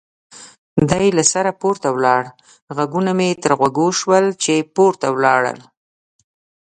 دی له سره پورته ولاړ، غږونه مې یې تر غوږو شول چې پورته ولاړل.